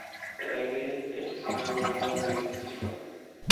এর আগে এটি শ্রীনগর জেলার অন্তর্ভুক্ত ছিল।